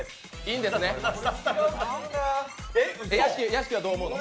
屋敷はどう思うの？